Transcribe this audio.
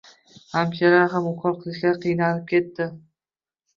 Hamshira ham ukol qilishga qiynalib ketdi